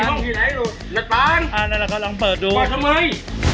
ผมมีห้องที่ไหนรู้นัดตาลอ่าแล้วเรากำลังเปิดดูปลาชะมัย